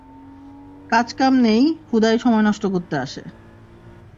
কাজ কাম নেই, হুডাই সময় নষ্ট করতে আসে!